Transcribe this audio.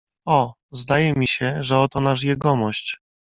"O, zdaje mi się, że oto nasz jegomość!"